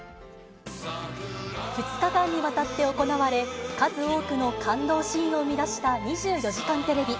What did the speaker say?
２日間にわたって行われ、数多くの感動シーンを生み出した２４時間テレビ。